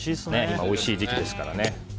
今おいしい時期ですからね。